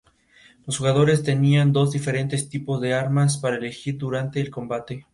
Se encuentra desde el río Mekong hasta Indonesia.